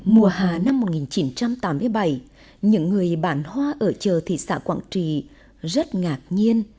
mùa hà năm một nghìn chín trăm tám mươi bảy những người bản hoa ở chờ thị xã quảng trì rất ngạc nhiên